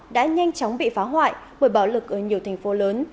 đã nhanh chóng bị phá hoại bởi bạo lực ở nhiều thành phố lớn